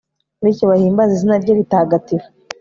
bityo bahimbaze izina rye ritagatifu